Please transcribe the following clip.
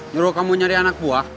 nyuruh kamu nyari anak buah